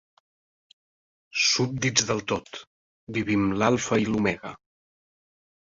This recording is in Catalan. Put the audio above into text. Súbdits del Tot, vivim l'alfa i l'omega.